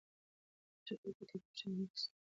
په ټولګي کې د پوښتنې حق سته.